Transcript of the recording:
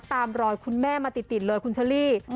ตามรอยคุณแม่มาติดเลยคุณเชอรี่